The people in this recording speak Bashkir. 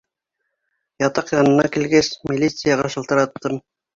Ятаҡ янына килгәс, милицияға шылтыраттым...